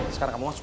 sekarang kamu masuk